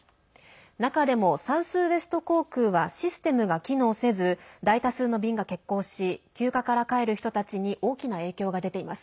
中でもサウスウエスト航空はシステムが機能せず大多数の便が欠航し休暇から帰る人たちに大きな影響が出ています。